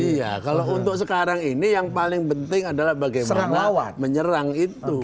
iya kalau untuk sekarang ini yang paling penting adalah bagaimana menyerang itu